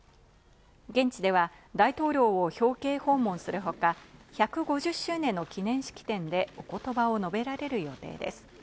現地では大統領を表敬訪問する他、１５０周年の記念式典でお言葉を述べられる予定です。